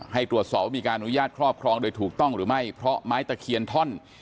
ให้ตรวจสอบว่ามีการอนุญาตครอบครองโดยถูกต้องหรือไม่เพราะไม้ตะเคียนท่อน